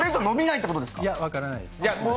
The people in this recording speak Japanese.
いや、分からないです。